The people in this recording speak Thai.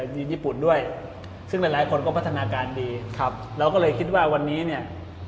มีญี่ปุ่นด้วยซึ่งหลายหลายคนก็พัฒนาการดีครับเราก็เลยคิดว่าวันนี้เนี่ย